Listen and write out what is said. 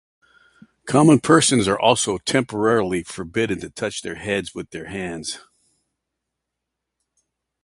Common persons are also temporarily forbidden to touch their heads with their hands.